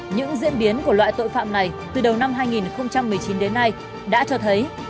những diễn biến của loại tội phạm này từ đầu năm hai nghìn một mươi chín đến nay đã cho thấy